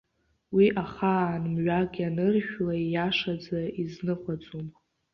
Уи ахаан мҩак ианыршәла, ииашаӡа изныҟәаӡом.